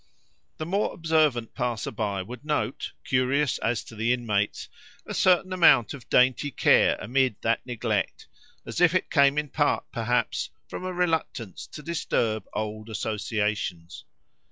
The more observant passer by would note, curious as to the inmates, a certain amount of dainty care amid that neglect, as if it came in part, perhaps, from a reluctance to disturb old associations.